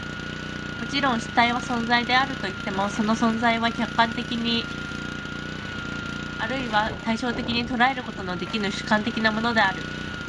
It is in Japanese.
もちろん、主体は存在であるといっても、その存在は客観的に或いは対象的に捉えることのできぬ主観的なものである。